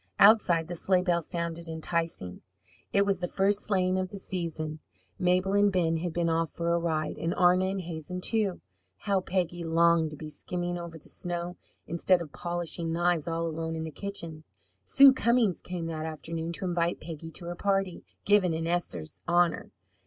Outside the sleigh bells sounded enticing. It was the first sleighing of the season. Mabel and Ben had been off for a ride, and Arna and Hazen, too. How Peggy longed to be skimming over the snow instead of polishing knives all alone in the kitchen. Sue Cummings came that afternoon to invite Peggy to her party, given in Esther's honour.